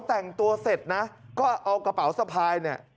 แต่งตัวเสร็จนะก็เอากระเป๋าสะพายเนี่ย